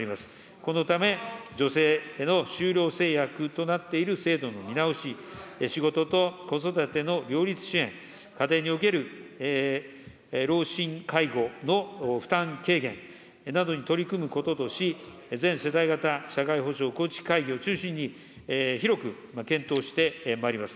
このため女性の就労制約となっている制度の見直し、仕事と子育ての両立支援、家庭における老親介護の負担軽減などに取り組むこととし、全世代型社会保障構築会議を中心に、広く検討してまいります。